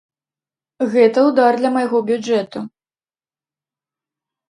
Гэта ўдар для майго бюджэту.